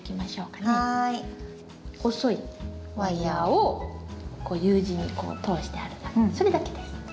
細いワイヤーをこうＵ字に通してあるだけそれだけです。